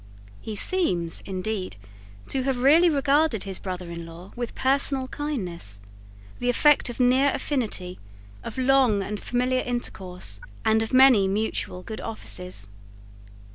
He seems, indeed, to have really regarded his brother in law with personal kindness, the effect of near affinity, of long and familiar intercourse, and of many mutual good offices.